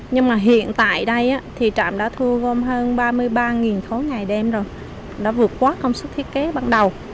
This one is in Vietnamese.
nhưng mà hiện tại đây thì trạm đã thu gom hơn ba mươi ba thối ngày đêm rồi đã vượt quá công suất thiết kế ban đầu